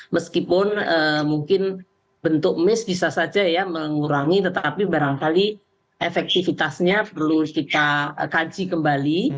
meskipun mungkin bentuk miss bisa saja ya mengurangi tetapi barangkali efektivitasnya perlu kita kaji kembali